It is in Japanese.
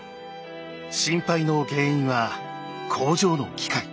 心配の原因は工場の機械。